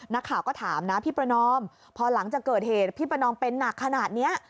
นักข่าวก็ถามนะพี่ประนอมพอหลังจากเกิดเหตุพี่ประนอมเป็นหนักขนาดนี้